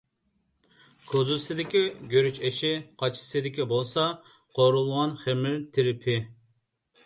كوزىدىكىسى گۈرۈچ ئېشى، قاچىدىكىسى بولسا، قورۇلغان خېمىر تىرىپى.